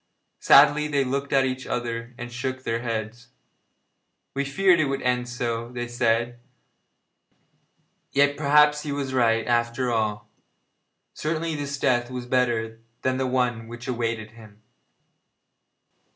Sadly they looked at each other and shook their heads. 'We feared it would end so,' said they, 'yet, perhaps, he was right after all. Certainly this death was better than the one which awaited him.'